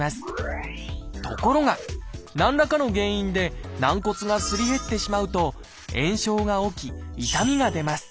ところが何らかの原因で軟骨がすり減ってしまうと炎症が起き痛みが出ます。